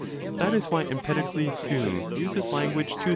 That is why Empedokles too? uses language to.